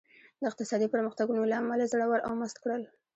د اقتصادي پرمختګونو له امله زړور او مست کړل.